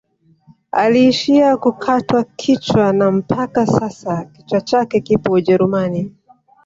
Aliishia kukatwa kichwa na mpaka sasa kichwa chake kipo ujerumani